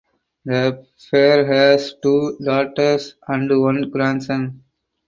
The pair has two daughters and one grandson.